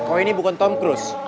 oh ini bukan tom cruise